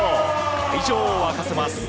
会場を沸かせます。